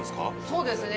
そうですね。